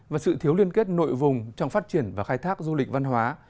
và sự thiếu liên kết nội vùng trong phát triển và khai thác du lịch văn hóa